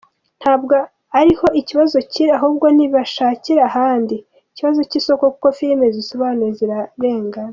Ntabwo ariho ikibazo kiri ahubwo nibashakire ahandi ikibazo cy’isoko kuko filime zisobanuye zirarengana.